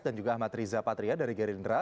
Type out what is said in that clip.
dan juga ahmad riza patria dari gerindra